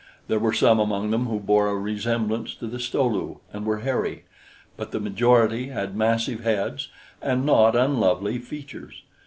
There were some among them who bore a resemblance to the Sto lu and were hairy; but the majority had massive heads and not unlovely features.